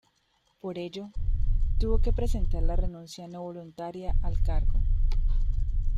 Por ello, tuvo que presentar la renuncia no voluntaria al cargo.